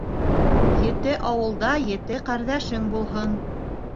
Ете ауылда ете ҡәрҙәшең булһын.